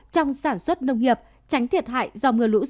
trong sản xuất nước lũ